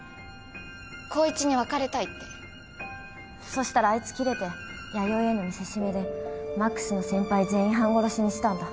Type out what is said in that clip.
そしたらあいつキレて弥生への見せしめで魔苦須の先輩全員半殺しにしたんだ。